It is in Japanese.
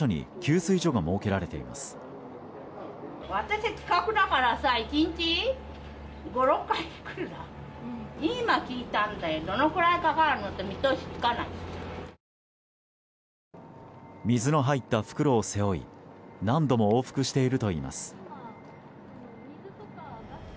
水の入った袋を背負い何度も往復しているといいます。